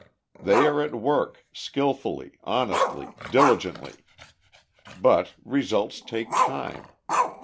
They are at work, skillfully, honestly, diligently. But results take time.